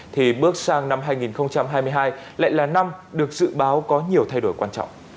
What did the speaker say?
thì bước sang năm hai nghìn hai mươi hai lại là năm được dự báo có nhiều thay đổi quan trọng